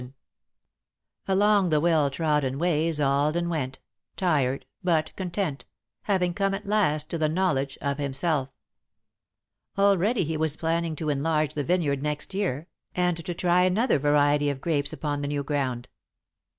[Sidenote: Content at Last] Along the well trodden ways Alden went, tired, but content, having come at last to the knowledge of himself. Already he was planning to enlarge the vineyard next year, and to try another variety of grapes upon the new ground.